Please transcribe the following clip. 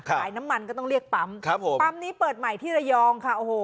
น้ำมันก็ต้องเรียกปั๊มครับผมปั๊มนี้เปิดใหม่ที่ระยองค่ะโอ้โห